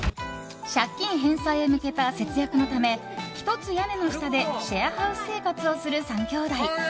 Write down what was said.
借金返済へ向けた節約のため一つ屋根の下でシェアハウス生活をする３兄弟。